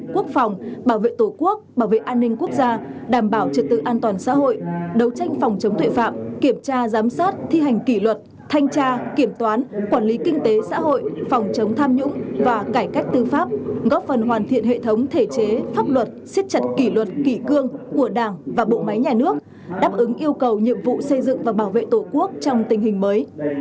quốc phòng bảo vệ tổ quốc bảo vệ an ninh quốc gia đảm bảo trật tự an toàn xã hội đấu tranh phòng chống tuệ phạm kiểm tra giám sát thi hành kỷ luật thanh tra kiểm toán quản lý kinh tế xã hội phòng chống tham nhũng và cải cách tư pháp góp phần hoàn thiện hệ thống thể chế pháp luật siết chặt kỷ luật kỷ cương của đảng và bộ máy nhà nước đáp ứng yêu cầu nhiệm vụ xây dựng và bảo vệ tổ quốc trong tình hình mới